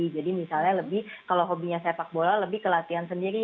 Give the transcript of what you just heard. jadi misalnya lebih kalau hobinya sepak bola lebih ke latihan sendiri